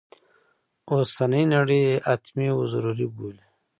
اوسنی نړی یې حتمي و ضروري بولي.